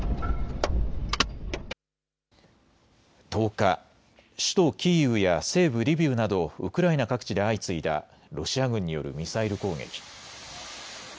１０日、首都キーウや西部リビウなどウクライナ各地で相次いだロシア軍によるミサイル攻撃。